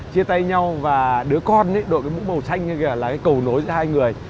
chia tay nhau và đứa con đội mũ màu xanh là cầu nối giữa hai người